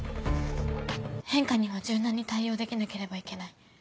変化には柔軟に対応できなければいけない。